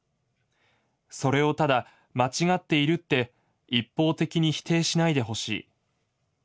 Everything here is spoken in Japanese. それをただ『間違っている』って一方的に否定しないで欲しい。